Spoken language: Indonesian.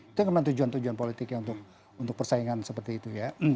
itu yang tujuan tujuan politiknya untuk persaingan seperti itu ya